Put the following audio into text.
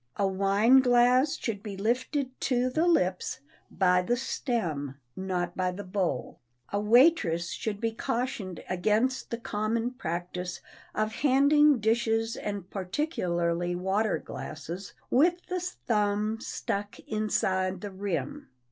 A wine glass should be lifted to the lips by the stem, not by the bowl. A waitress should be cautioned against the common practise of handing dishes and particularly water glasses with the thumb stuck inside the rim.